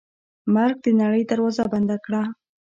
مرګ د نړۍ دروازه بنده کوي.